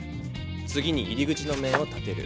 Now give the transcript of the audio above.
次に入り口の面を立てる。